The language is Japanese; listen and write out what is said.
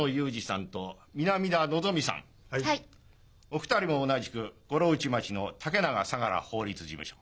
お二人も同じく五老内町の竹永・相楽法律事務所。